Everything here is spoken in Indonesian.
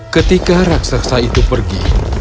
ketika raksasa itu pergi